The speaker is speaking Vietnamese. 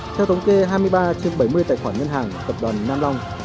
theo thống kê hai mươi ba trên bảy mươi tài khoản ngân hàng tập đoàn nam long